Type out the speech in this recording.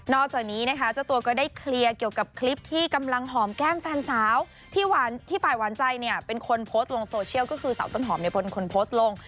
จากนี้นะคะเจ้าตัวก็ได้เคลียร์เกี่ยวกับคลิปที่กำลังหอมแก้มแฟนสาวที่ฝ่ายหวานใจเนี่ยเป็นคนโพสต์ลงโซเชียลก็คือสาวต้นหอมในพลคนโพสต์ลง